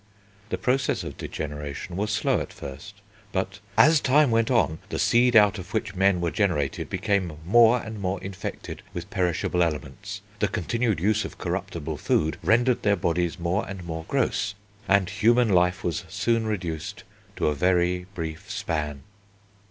The process of degeneration was slow at first, but "as time went on, the seed out of which men were generated became more and more infected with perishable elements. The continued use of corruptible food rendered their bodies more and more gross; and human life was soon reduced to a very brief span."